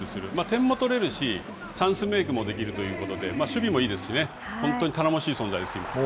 点も取れるし、チャンスメークもできるということで、守備もいいですしね、本当に頼もしい存在です、今。